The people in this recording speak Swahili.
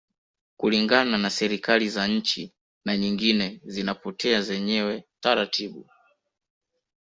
Kulingana na serikali za nchi na nyingine zinapotea zenyewe taratibu